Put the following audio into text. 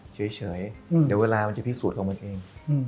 เฉยเดี๋ยวเวลามันจะพิสูจน์ของมันเอง